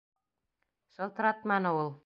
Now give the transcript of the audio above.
Шылтыратманы ул!..